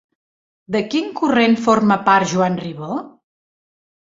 De quin corrent forma part Joan Ribó?